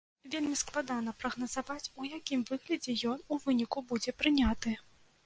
Вельмі складана прагназаваць, у якім выглядзе ён у выніку будзе прыняты.